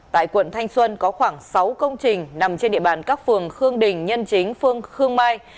tại quận thanh xuân có khoảng sáu công trình nằm trên địa bàn các phường khương đình nhân chính phương khương mai